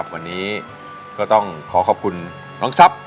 วันนี้ก็ต้องขอขอบคุณน้องทรัพย์